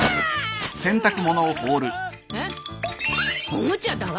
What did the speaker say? おもちゃだわ。